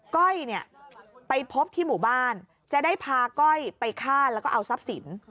ก้อยเนี่ยไปพบที่หมู่บ้านจะได้พาก้อยไปฆ่าแล้วก็เอาทรัพย์สิน